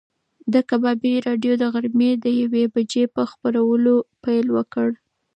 د کبابي راډیو د غرمې د یوې بجې په خبرونو پیل وکړ.